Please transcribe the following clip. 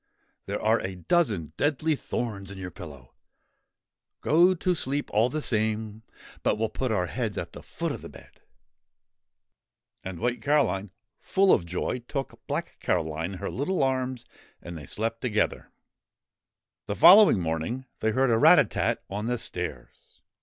There are a dozen deadly thorns in your pillow ; go to sleep all the same, but we '11 put our heads at the foot of the bed 1 ' And White Caroline, full of joy, took Black Caroline in her little arms and they slept together I ' The following morning they heard a rat a tat on the stairs.